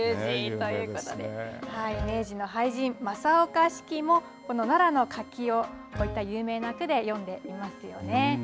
ということで明治の俳人正岡子規も奈良の柿をこういった有名な句で詠んでいますよね。